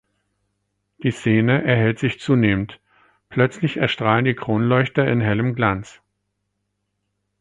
Die Szene erhellt sich zunehmend; plötzlich erstrahlen die Kronleuchter in hellem Glanz.